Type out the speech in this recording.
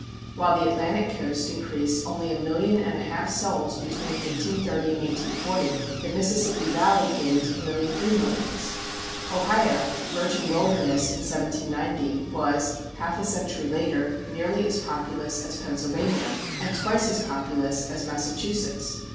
While the Atlantic coast increased only a million and a half souls between 1830 and 1840, the Mississippi Valley gained nearly three millions. Ohio (virgin wilderness in 1790) was, half a century later, nearly as populous as Pennsylvania and twice as populous as Massachusetts.